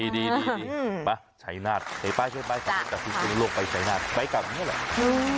ดีใช้นาทไปไปกลับนี่แหละ